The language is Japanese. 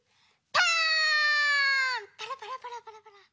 パラパラパラパラパラ。